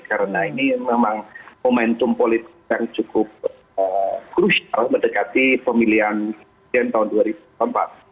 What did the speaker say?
karena ini memang momentum politik yang cukup krusial mendekati pemilihan presiden tahun dua ribu empat